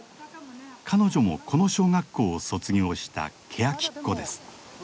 彼女もこの小学校を卒業したケヤキっ子です。